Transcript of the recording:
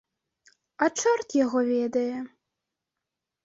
А чорт яго ведае.